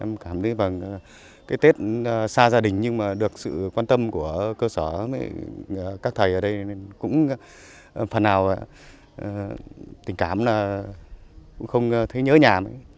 em cảm thấy cái tết xa gia đình nhưng mà được sự quan tâm của cơ sở các thầy ở đây cũng phần nào tình cảm là cũng không thấy nhớ nhà